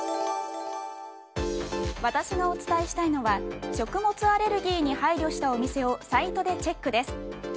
私がお伝えしたいのは食物アレルギーに配慮したお店をサイトでチェックです。